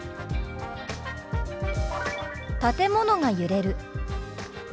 「建物が揺れる」。